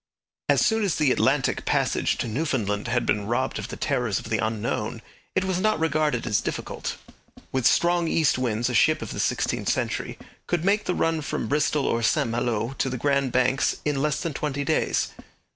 As soon as the Atlantic passage to Newfoundland had been robbed of the terrors of the unknown, it was not regarded as difficult. With strong east winds a ship of the sixteenth century could make the run from Bristol or St Malo to the Grand Banks in less than twenty days.